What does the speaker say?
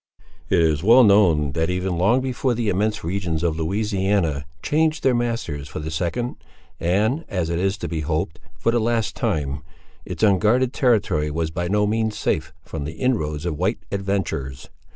It is well known, that even long before the immense regions of Louisiana changed their masters for the second, and, as it is to be hoped, for the last time, its unguarded territory was by no means safe from the inroads of white adventurers.